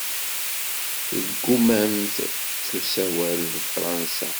Tuggamant ttusawal Fṛansa.